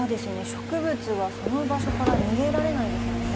植物はその場所から逃げられないですもんね。